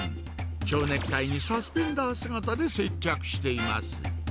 ちょうネクタイにサスペンダー姿で接客しています。